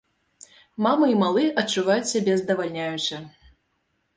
Мама і малы адчуваюць сябе здавальняюча!